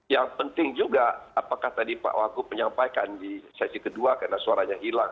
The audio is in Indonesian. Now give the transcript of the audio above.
yang penting juga apakah tadi pak wagub menyampaikan di sesi kedua karena suaranya hilang